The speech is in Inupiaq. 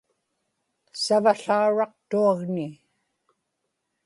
savałauraqtuagni